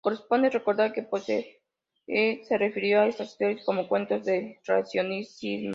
Corresponde recordar que Poe se refirió a estas historias como ""Cuentos de raciocinio"".